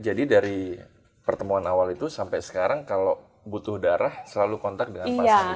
jadi dari pertemuan awal itu sampai sekarang kalau butuh darah selalu kontak dengan pak sani jaya